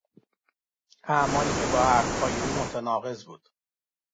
اعمالی که با حرفهای او متناقض بود